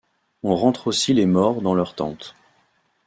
On rentre aussi les morts dans leurs tentes.